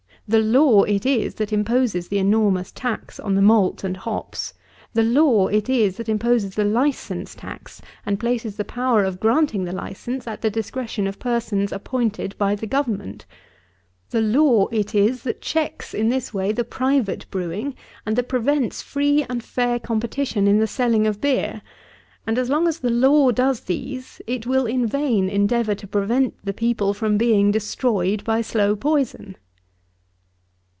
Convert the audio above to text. The law it is that imposes the enormous tax on the malt and hops; the law it is that imposes the license tax, and places the power of granting the license at the discretion of persons appointed by the government; the law it is that checks, in this way, the private brewing, and that prevents free and fair competition in the selling of beer, and as long as the law does these, it will in vain endeavour to prevent the people from being destroyed by slow poison.